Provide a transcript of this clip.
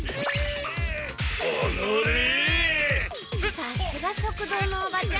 さすが食堂のおばちゃん。